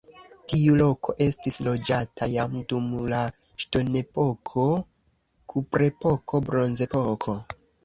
Tiu loko estis loĝata jam dum la ŝtonepoko, kuprepoko, bronzepoko.